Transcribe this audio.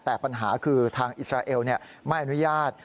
แต่ปัญหาคือทางอิสราเอลไม่อนุญาต